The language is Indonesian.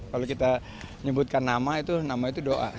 kalau kita nyebutkan nama itu doa